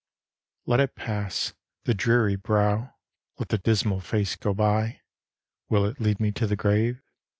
XVI Let it pass, the dreary brow, Let the dismal face go by, Will it lead me to the grave?